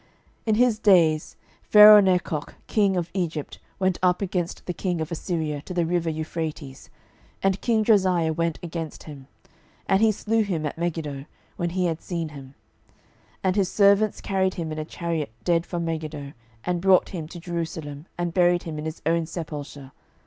12:023:029 In his days Pharaohnechoh king of Egypt went up against the king of Assyria to the river Euphrates: and king Josiah went against him; and he slew him at Megiddo, when he had seen him. 12:023:030 And his servants carried him in a chariot dead from Megiddo, and brought him to Jerusalem, and buried him in his own sepulchre.